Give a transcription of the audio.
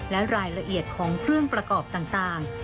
และรายละเอียดของเครื่องประกอบต่าง